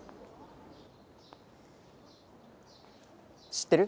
知ってる？